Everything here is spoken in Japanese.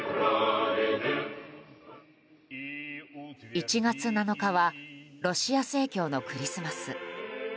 １月７日はロシア正教のクリスマス。